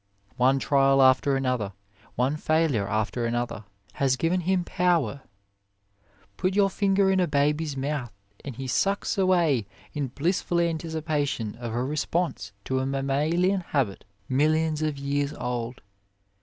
One trial after another, one failure after another, has given him power. Put your finger ii A WAY in a baby s mouth, and he sucks away in blissful antici pation of a response to a mam malian habit millions of years old.